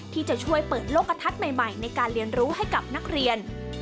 ที่จะช่วยเปิดโลกกระทัดใหม่ในการเรียนรู้ให้กับนักเรียน